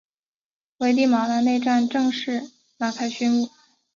危地马拉内战正式拉开序幕。